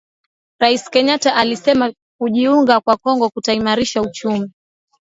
Rais Kenyatta alisema kujiunga kwa Kongo kutaimarisha uchumi